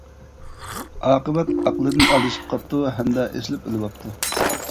ئاقىۋەت ئەقلىدىن ئادىشىپ قاپتۇ ھەمدە ئېسىلىپ ئۆلۈۋاپتۇ.